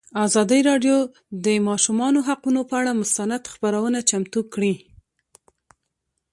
ازادي راډیو د د ماشومانو حقونه پر اړه مستند خپرونه چمتو کړې.